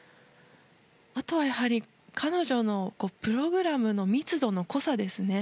あとは、やはり彼女のプログラムの密度の濃さですね。